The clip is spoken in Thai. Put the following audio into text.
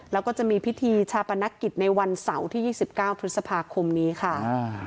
แล้วก็จะมีพิธีชาปนกิจในวันเสาร์ที่๒๙พฤษภาคมนี้ค่ะ